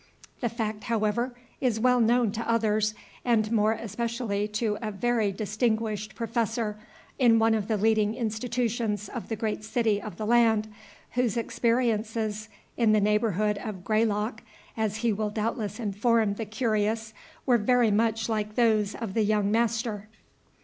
The fact, however, is well known to others, and more especially to a very distinguished Professor in one of the leading institutions of the great city of the land, whose experiences in the neighborhood of Graylock, as he will doubtless inform the curious, were very much like those of the young master.